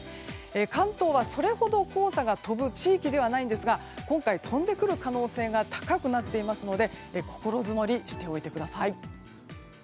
関東はそれほど黄砂が飛ぶ地域ではないんですが今回は飛んでくる可能性が高くなっていますので心づもりしておいてください。